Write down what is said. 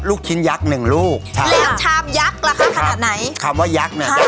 ลูกชิ้นยักษ์หนึ่งลูกชามแล้วชามยักษ์ราคาขนาดไหนคำว่ายักษ์น่ะ